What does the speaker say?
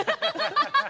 ハハハハ！